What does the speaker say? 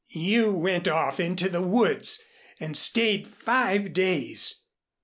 "You went off into the woods and stayed five days.